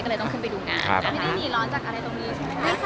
ไม่ได้หนีร้อนจากอะไรตรงนี้ใช่มั้ยค่ะ